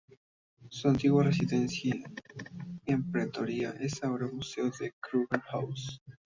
Su antigua residencia en Pretoria es ahora el Museo Kruger House.